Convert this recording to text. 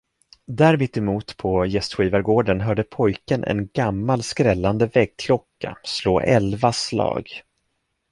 Där mittemot på gästgivargården hörde pojken en gammal skrällande väggklocka slå elva slag.